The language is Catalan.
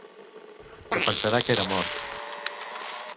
Que pensara que era mort...